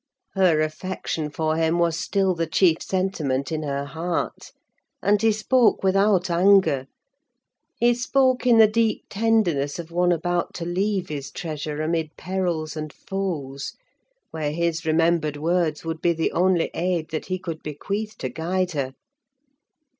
"Her affection for him was still the chief sentiment in her heart; and he spoke without anger: he spoke in the deep tenderness of one about to leave his treasure amid perils and foes, where his remembered words would be the only aid that he could bequeath to guide her.